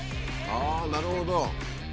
ああなるほど。